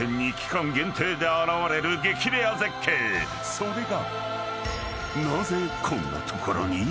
［それが］